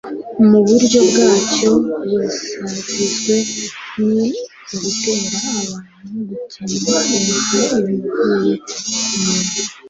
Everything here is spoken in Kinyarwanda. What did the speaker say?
mu buryo bwacyo busarizwe ni ugutera abantu gukerensa bivuye inyuma